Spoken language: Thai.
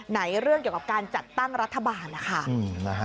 เรื่องเกี่ยวกับการจัดตั้งรัฐบาลนะคะ